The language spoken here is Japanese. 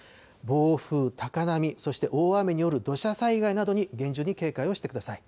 暴風、高波、そして大雨による土砂災害などに厳重に警戒をしてください。